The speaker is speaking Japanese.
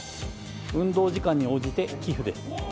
運動時間に応じて寄付です。